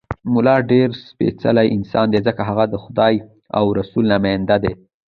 ملا ډېر سپېڅلی انسان دی، ځکه هغه د خدای او رسول نماینده دی.